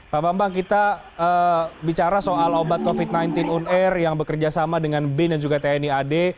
pak bambang kita bicara soal obat covid sembilan belas on air yang bekerjasama dengan bin dan juga tni ad